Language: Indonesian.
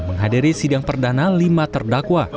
menghadiri sidang perdana lima terdakwa